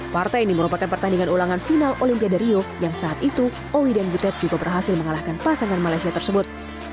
partai ini merupakan pertandingan ulangan final olimpiade rio yang saat itu owi dan butet juga berhasil mengalahkan pasangan malaysia tersebut